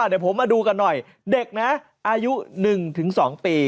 อ่ะเดี๋ยวผมมาดูกันหน่อยเด็กนะอายุหนึ่งถึงสองปี